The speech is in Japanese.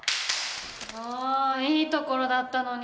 もういいところだったのに。